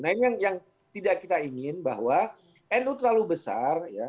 nah ini yang tidak kita ingin bahwa nu terlalu besar ya